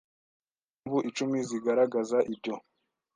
Impamvu icumi zigaragaza ibyo